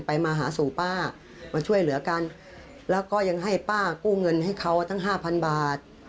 มาหาสู่ป้ามาช่วยเหลือกันแล้วก็ยังให้ป้ากู้เงินให้เขาทั้งห้าพันบาท